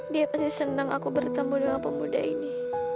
dia pasti senang aku bertemu dengan pemuda ini